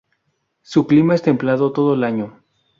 Su clima es templado todo el año.